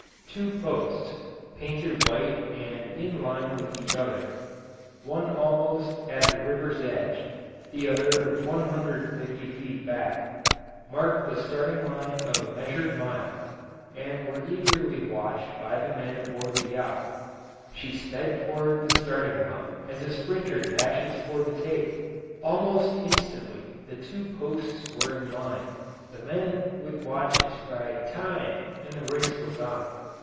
Two posts, painted white and in line with each other one almost at the river's edge, the other 150 feet back marked the starting line of a measured mile, and were eagerly watched by the men aboard the yacht. She sped toward the starting line as a sprinter dashes for the tape; almost instantly the two posts were in line, the men with watches cried "Time!" and the race was on.